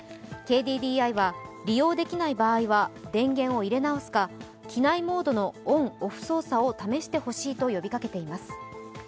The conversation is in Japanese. ＫＤＤＩは利用できない場合は電源を入れ直すか、機内モードのオン・オフ操作を試してほしいと呼びかけています。